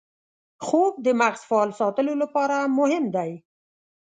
خوب د مغز فعال ساتلو لپاره مهم دی